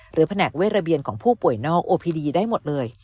แผนกเวทระเบียนของผู้ป่วยนอกโอพินีได้หมดเลย